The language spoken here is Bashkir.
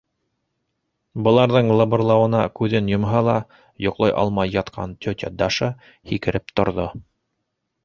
Быларҙың лыбырлауына күҙен йомһа ла, йоҡлай алмай ятҡан тетя Даша һикереп торҙо.